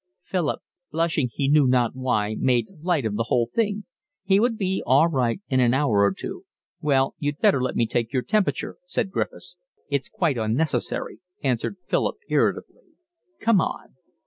Philip, blushing he knew not why, made light of the whole thing. He would be all right in an hour or two. "Well, you'd better let me take your temperature," said Griffiths. "It's quite unnecessary," answered Philip irritably. "Come on."